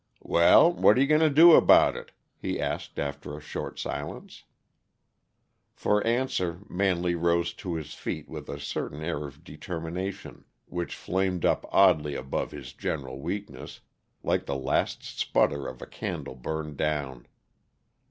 "Well, what you going to do about it?" he asked, after a short silence. For answer Manley rose to his feet with a certain air of determination, which flamed up oddly above his general weakness, like the last sputter of a candle burned down.